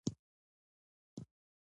لوستې میندې د ماشوم د ژوند کیفیت لوړوي.